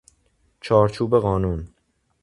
چارچوب قانون